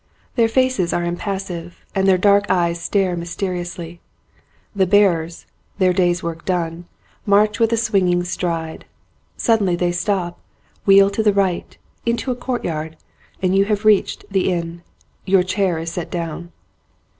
Their faces are impassive and their dark eyes stare mysteriously. The bearers, their day's work done, march with a swinging stride. Suddenly they stop, wheel to the right, into a courtyard, and you have reached the inn. Your chair is set down.